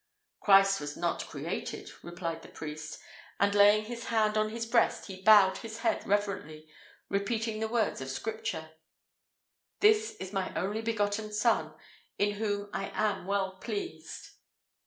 "Christ was not created," replied the priest, and laying his hand on his breast he bowed his head reverently, repeating the words of Scripture: "This is my only begotten Son, in whom I am well pleased."